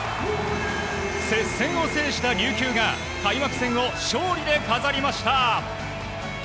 接戦を制した琉球が開幕戦を勝利で飾りました。